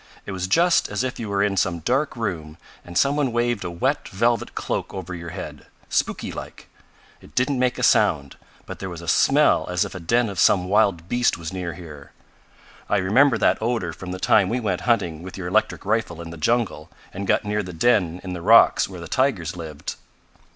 "It was just as if you were in some dark room, and some one waved a wet velvet cloak over your head spooky like! It didn't make a sound, but there was a smell as if a den of some wild beast was near here. I remember that odor from the time we went hunting with your electric rifle in the jungle, and got near the den in the rocks where the tigers lived."